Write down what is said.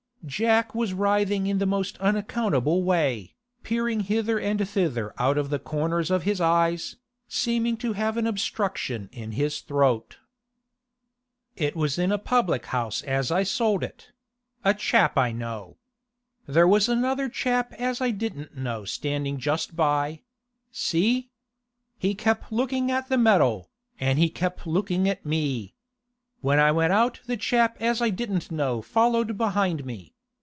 Jack was writhing in the most unaccountable way, peering hither and thither out of the corners of his eyes, seeming to have an obstruction in his throat. 'It was in a public house as I sold it—a chap I know. There was another chap as I didn't know standing just by—see? He kep' looking at the medal, and he kep' looking at me. When I went out the chap as I didn't know followed behind me.